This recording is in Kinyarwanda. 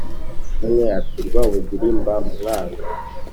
umwe, ati: rwabugiri mba mwanga!